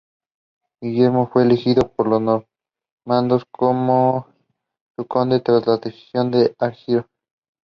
The college held an important flock of Hampshire Down sheep.